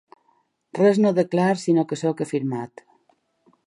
Res no declaro sinó que sóc afirmat.